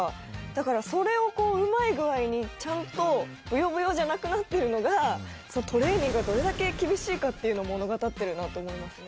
だからそれをこううまい具合にちゃんとぶよぶよじゃなくなってるのが、トレーニングがどれだけ厳しいかっていうのを物語ってるなと思いますね。